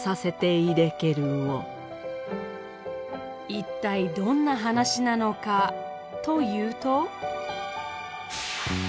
一体どんな話なのかというと。